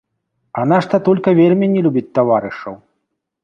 — А наш татулька вельмі не любіць «таварышаў».